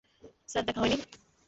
Sir, দেখা হয়নি।